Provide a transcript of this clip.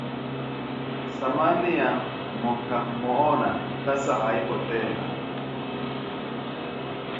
Thamani ya mokamoona sasa haipo tena